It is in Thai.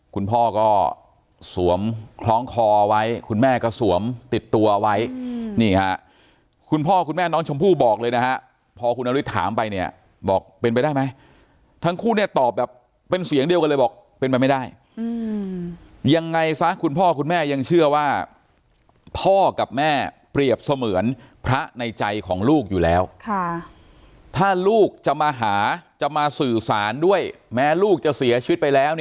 คุณพ่อก็สวมคล้องคอไว้คุณแม่ก็สวมติดตัวไว้นี่ฮะคุณพ่อคุณแม่น้องชมพู่บอกเลยนะฮะพอคุณนฤทธิถามไปเนี่ยบอกเป็นไปได้ไหมทั้งคู่เนี่ยตอบแบบเป็นเสียงเดียวกันเลยบอกเป็นไปไม่ได้ยังไงซะคุณพ่อคุณแม่ยังเชื่อว่าพ่อกับแม่เปรียบเสมือนพระในใจของลูกอยู่แล้วถ้าลูกจะมาหาจะมาสื่อสารด้วยแม้ลูกจะเสียชีวิตไปแล้ว